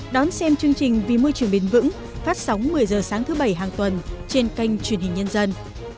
đón xem chương trình vì môi trường bền vững phát sóng một mươi h sáng thứ bảy hàng tuần trên kênh truyền hình nhân dân